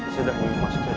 sudah ini masjidnya